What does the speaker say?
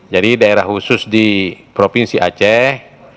jadi daerah khusus di provinsi aceh